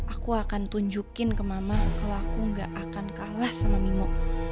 aku akan tunjukin ke mama kalau aku gak akan kalah sama mimo